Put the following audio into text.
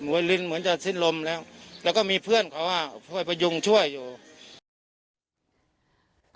ลิ้นเหมือนจะสิ้นลมแล้วแล้วก็มีเพื่อนเขาอ่ะช่วยพยุงช่วยอยู่